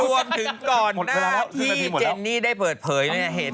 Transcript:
รวมถึงก่อนหน้าที่เจนนี่ได้เปิดเผย